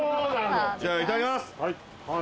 じゃあいただきます。